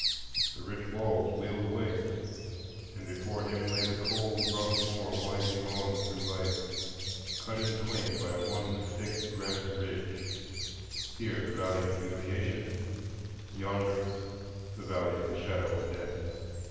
The rich walls wheeled away, and before him lay the cold rough moor winding on through life, cut in twain by one thick granite ridge,—here, the Valley of Humiliation; yonder, the Valley of the Shadow of Death.